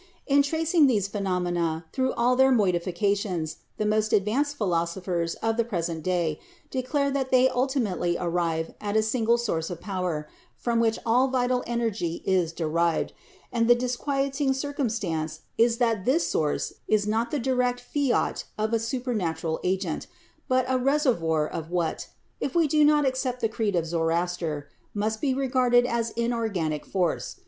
In tracing these phenomena through all their moidfications, the most advanced philosophers of the present day declare that they ultimately arrive at a single source of power, from which all vital energy is derived ; and the disquieting circumstance is that this source is not the direct fiat of a supernatural agent, but a reservoir of what, if we do not accept the creed of Zoroaster, must be regarded as inor ganic force.